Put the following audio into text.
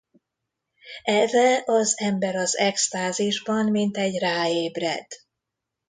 Erre az ember az extázisban mintegy ráébred.